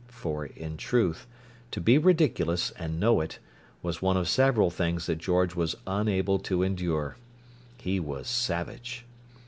For, in truth, to be ridiculous (and know it) was one of several things that George was unable to endure. He was savage.